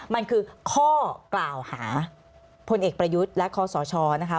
มันคือข้อกล่าวหาพลเอกประยุทธ์และคอสชนะคะ